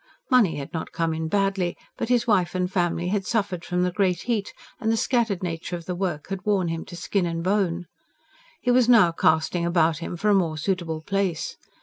Money had not come in badly; but his wife and family had suffered from the great heat, and the scattered nature of the work had worn him to skin and bone. He was now casting about him for a more suitable place.